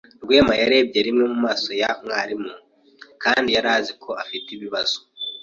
Rwema yarebye rimwe mu maso ya mwarimu kandi yari azi ko afite ibibazo.